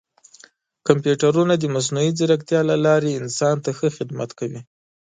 کمپیوټرونه د مصنوعي ځیرکتیا له لارې انسان ته ښه خدمت کوي.